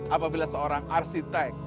apabila seorang arsitek